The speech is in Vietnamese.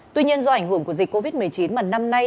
tuy nhiên do ảnh hưởng của dịch covid một mươi chín mà năm nay